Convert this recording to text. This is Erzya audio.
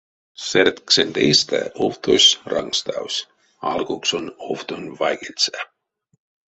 Сэретьксэнть эйстэ овтось ранкставсь алкуксонь овтонь вайгельсэ.